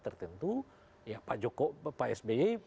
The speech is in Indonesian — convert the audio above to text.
tertentu pak sby